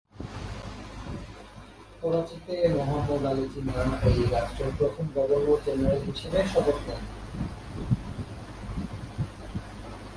করাচিতে মহম্মদ আলি জিন্নাহ এই রাষ্ট্রের প্রথম গভর্নর-জেনারেল হিসেবে শপথ নেন।